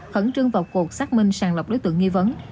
khẩn trương vào cuộc xác minh sàng lọc đối tượng nghi vấn